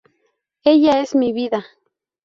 Ella es mi vida".